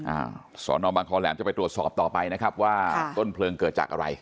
อ่าสอนอบางคอแหลมจะไปตรวจสอบต่อไปนะครับว่าต้นเพลิงเกิดจากอะไร